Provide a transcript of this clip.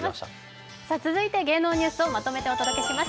続いて芸能ニュースをまとめてお届けします。